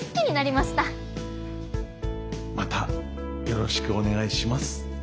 またよろしくお願いします。